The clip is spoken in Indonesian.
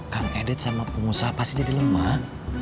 kang edit sama pengusaha pasti jadi lemah